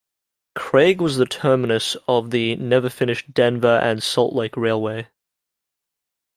Craig was the terminus of the never-finished Denver and Salt Lake Railway.